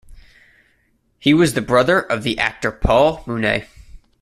He was the brother of the actor Paul Mounet.